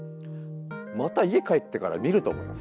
また家帰ってから見ると思います